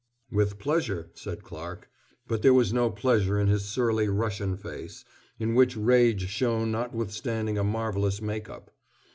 "With pleasure," said Clarke, but there was no pleasure in his surly Russian face, in which rage shone notwithstanding a marvelous make up.